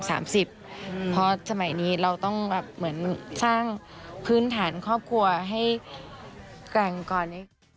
เพราะสมัยนี้เราต้องแบบเหมือนสร้างพื้นฐานครอบครัวให้แกร่งก่อน